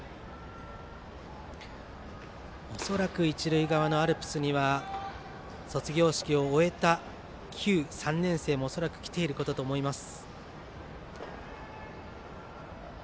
恐らく一塁側のアルプスには卒業式を終えた旧３年生も恐らく来ていることと思います。